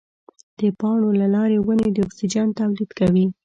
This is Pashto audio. د پاڼو له لارې ونې د اکسیجن تولید کوي.